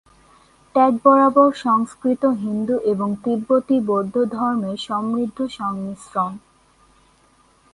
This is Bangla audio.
ট্র্যাক বরাবর সংস্কৃতি হিন্দু এবং তিব্বতি বৌদ্ধ ধর্মের সমৃদ্ধ সংমিশ্রণ।